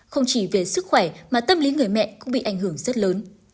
không chỉ về sức khỏe mà tâm lý người mẹ cũng bị ảnh hưởng rất lớn